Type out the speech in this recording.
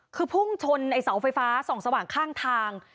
คือพุ่งชนไอ้เสาไฟฟ้าส่องสว่างข้างทาง